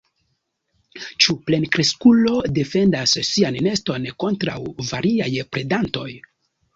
Ĉiu plenkreskulo defendas sian neston kontraŭ variaj predantoj.